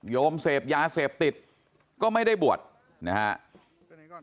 โยมเสพยาเสพติดก็ไม่ได้บวชนะครับ